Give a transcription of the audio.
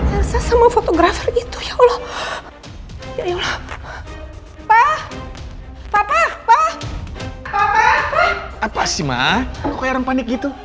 elsa sama fotografer itu ya allah ya allah pak papa apa sih ma kok orang panik gitu